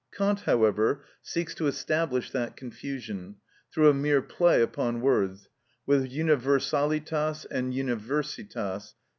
Kant, however, seeks to establish that confusion, through a mere play upon words, with Universalitas and Universitas, p.